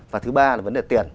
và thứ ba là vấn đề tiền